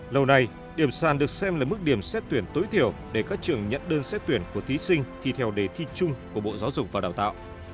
lâu nay điểm sàn được xem là mức điểm xét tuyển tối thiểu để các trường nhận đơn xét tuyển của thí sinh thi theo đề thi chung của bộ giáo dục và đào tạo